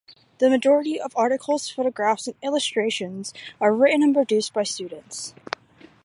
The majority of articles, photographs and illustrations are written and produced by students.